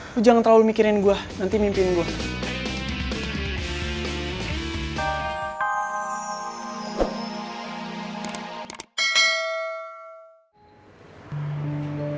aku jangan terlalu mikirin gue nanti mimpiin gue